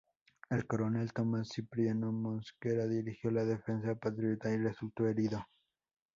El coronel Tomás Cipriano Mosquera dirigió la defensa patriota y resultó herido.